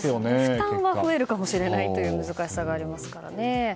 負担は増えるかもしれないという難しさがありますからね。